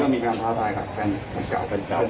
มีการท้าทายกันกัน